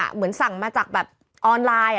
เหมือนสั่งมาจากแบบออนไลน์